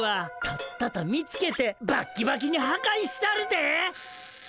とっとと見つけてバッキバキにはかいしたるで。